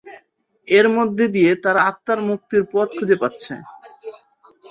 এর মধ্য দিয়ে তারা আত্মার মুক্তির পথ খুঁজে পাচ্ছে।